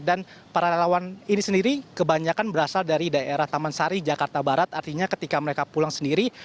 dan para relawan ini sendiri kebanyakan berasal dari daerah taman sari jakarta barat artinya ketika mereka pulang sendiri